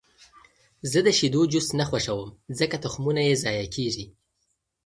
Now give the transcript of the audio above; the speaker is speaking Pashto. زه د شیدو جوس نه خوښوم، ځکه تخمونه یې ضایع کېږي.